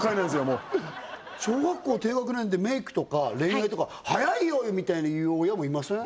もう小学校低学年でメイクとか恋愛とか早いよ！みたいに言う親もいません？